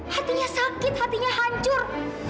hatinya sakit hatinya hancur